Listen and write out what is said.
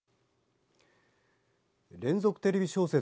連続テレビ小説